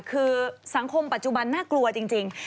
คือสังคมปัจจุบันน่ากลัวจริง